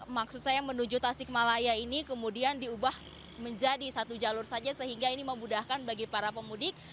maksud saya menuju tasikmalaya ini kemudian diubah menjadi satu jalur saja sehingga ini memudahkan bagi para pemudik